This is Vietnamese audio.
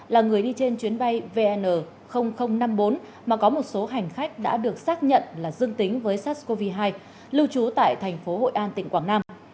là người đi trên chuyến bay vn năm mươi bốn mà có một số hành khách đã được xác nhận là dương tính với sars cov hai lưu trú tại thành phố hội an tỉnh quảng nam